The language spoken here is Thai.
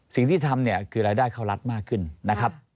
สิ่งที่ทำเนี่ยคือรายได้เข้ารัฐมากขึ้นนะครับ